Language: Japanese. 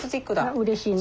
うれしいな。